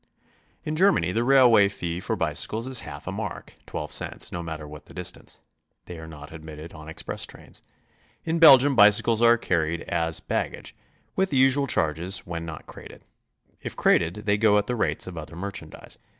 In Germany the railway fee for bicycles is half a mark, J2 cents, mo matter what the distance. They are not admitted on exp ress trains. In Belgium bicycles are carried as bag gage, with the usual charges, when not crated; if crated they go at the rates of other merchandise.